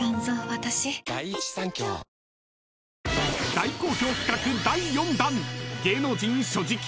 ［大好評企画第４弾］